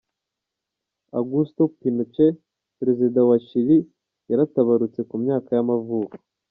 Augusto Pinochet, perezida wa wa Chili yaratabarutse ku myaka y’amavuko.